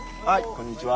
こんにちは。